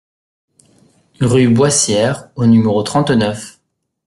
Rue Boissière au numéro trente-neuf